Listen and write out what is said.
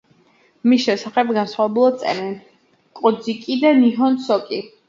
მის შესახებ განსხვავებულად წერენ კოძიკი და ნიჰონ სოკი.